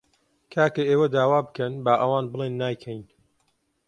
کاکە ئێوە داوا بکەن، با ئەوان بڵێن نایکەین